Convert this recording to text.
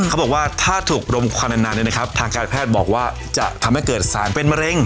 เขาบอกว่าถ้าถูกลมควันนานทางการแพทย์บอกว่าจะทำให้เกิดสารเป็นมะเร็ง